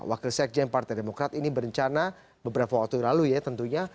wakil sekjen partai demokrat ini berencana beberapa waktu lalu ya tentunya